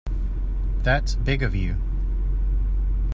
That's big of you.